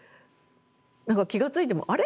何か気が付いてもあれ？